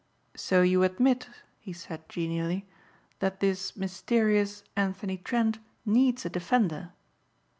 "So you admit," he said genially, "that this mysterious Anthony Trent needs a defender?"